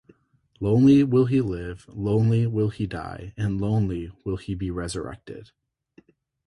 Lonely will he live, lonely will he die and lonely will he be resurrected.